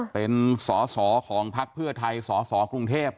เป็นสอสอของพักเพื่อไทยสสกรุงเทพ